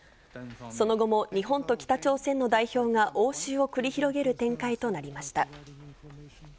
その後も日本と北朝鮮の代表が応酬を繰り広げる展開となりました。